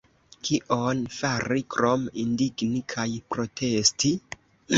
Kion fari krom indigni kaj protesti?